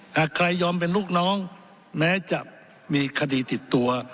หากใครยอมเป็นลูกน้องแม้จะมีคดีติดตัว